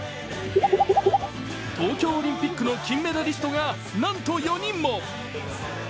東京オリンピックの金メダリストが、なんと４人も！